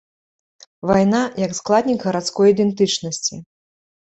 Вайна як складнік гарадской ідэнтычнасці.